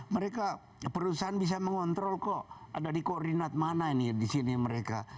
mereka perusahaan bisa mengontrol kok ada di koordinat mana ini di sini mereka